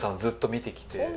ずっと見てきて。